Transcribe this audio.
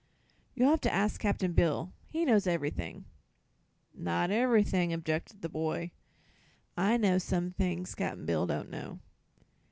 "You'll have to ask Cap'n Bill; he knows ever'thing." "Not ever'thing," objected the boy. "I know some things Cap'n Bill don't know."